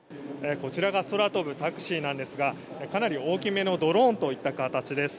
こちらが空飛ぶタクシーなんですがかなり大きめのドローンといった形です。